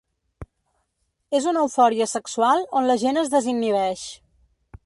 És una eufòria sexual on la gent es desinhibeix.